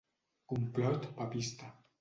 Complot papista